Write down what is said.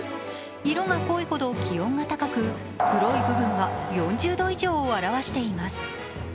色が濃いほど気温が高く黒い部分は４０度以上を表しています。